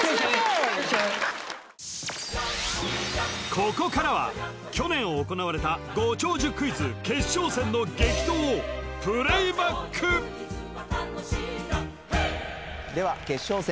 ここからは去年行われたご長寿クイズ決勝戦の激闘をプレイバックでは決勝戦